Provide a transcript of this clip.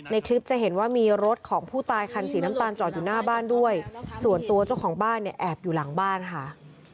ในคลิปจะเห็นว่ามีรถของผู้ตายคันสีน้ำตาลจอดอยู่หน้าบ้านด้วยส่วนตัวเจ้าของบ้านเนี่ยแอบอยู่หลังบ้านค่ะ